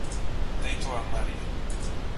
Deitu amari